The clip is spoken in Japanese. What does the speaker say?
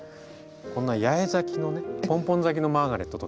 こんな八重咲きのねポンポン咲きのマーガレットとかね。